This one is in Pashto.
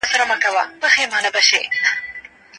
اپوزیسیون په بحران کي څه کوي؟